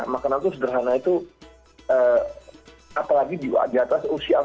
makanan itu sederhana itu apalagi di atas usia empat puluh